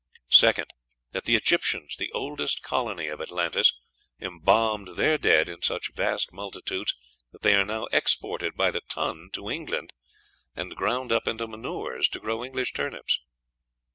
Second. That the Egyptians, the oldest colony of Atlantis, embalmed their dead in such vast multitudes that they are now exported by the ton to England, and ground up into manures to grow English turnips.